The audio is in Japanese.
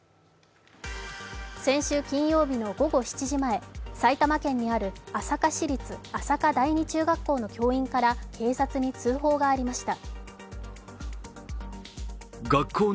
先週金曜日の午後７時前、埼玉県にある朝霞市立朝霞第二中学校の教員から警察に通報がありました。